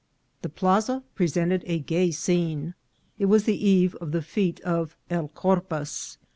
The plaza presented a gay scene. It was the eve of the fete of El Corpus.